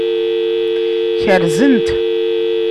Kerzen-t.